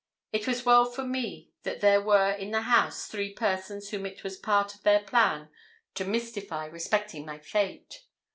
It was well for me that there were in the house three persons whom it was part of their plan to mystify respecting my fate.